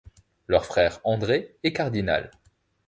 Leur frère André est cardinal.